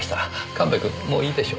神戸くんもういいでしょう。